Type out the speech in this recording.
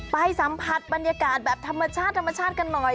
ไปสัมผัสบรรยากาศแบบธรรมชาติธรรมชาติกันหน่อย